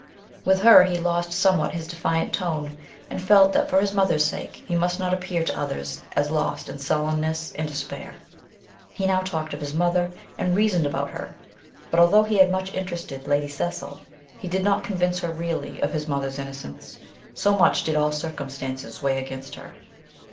With her he lost somewhat his defiant tone, and felt that for his mother's sake he must not appear to others as lost in sullenness and despair. He now talked of his mother, and reasoned about her ; but although he much interested Lady Cecil, he did not convince her really of his mother's innocence, so much did all circumstances weigh against her.